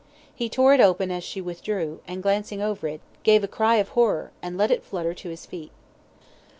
He tore it open as she withdrew, and glancing over it, gave a cry of horror, and let it flutter to his feet.